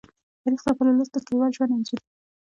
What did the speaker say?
تاریخ د خپل ولس د کلیوال ژوند انځور دی.